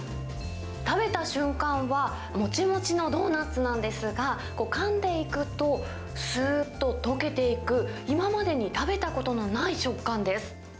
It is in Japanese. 食べた瞬間は、もちもちのドーナツなんですが、かんでいくと、すーっと溶けていく、今までに食べたことのない食感です。